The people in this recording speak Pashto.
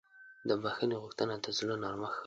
د بښنې غوښتنه د زړه نرمښت ښیي.